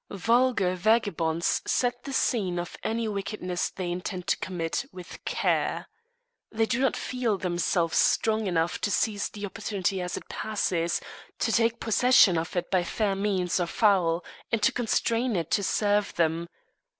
Vulgar vagabonds set the scene of any wickedness they intend to commit with care. They do not feel themselves strong enough to seize the opportunity as it passes, to take possession of it by fair means or foul, and to constrain it to serve them.